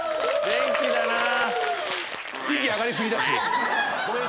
元気だなあ。